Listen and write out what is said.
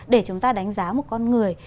để chúng ta đánh giá một con người